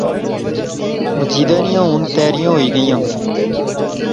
مجیدے نیاں ہن تیریاں ہوئی گیئیاں